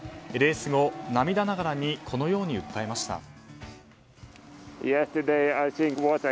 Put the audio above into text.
レース後、涙ながらにこのように訴えました。